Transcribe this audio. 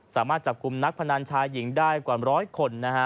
สามารถจับกลุ่มนักพนันชายหญิงได้กว่าร้อยคนนะฮะ